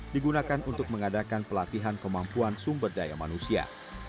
digunakan untuk mengadakan pelatihan kemampuan sumber daya manusia